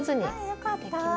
よかった。